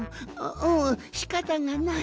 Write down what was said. んしかたがない。